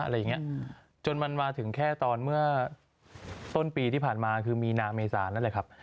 อะไรอย่างนี้จนมันมาถึงแค่ตอนเมื่อต้นปีที่ผ่านมาคือมีนาเมษานั่นแหละครับ